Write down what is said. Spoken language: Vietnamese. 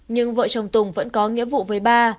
nhưng vợ chồng tùng vẫn có nghĩa vụ với ba